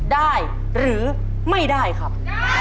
ได้หรือไม่ได้ครับ